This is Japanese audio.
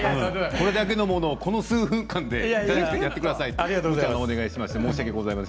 これだけのものを、この数分間でやってくださいって無茶なお願いを。